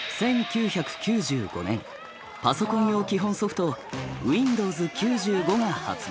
１９９５年パソコン用基本ソフト「Ｗｉｎｄｏｗｓ９５」が発売。